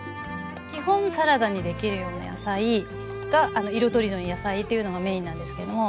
基本サラダにできるような野菜色とりどりの野菜というのがメインなんですけども。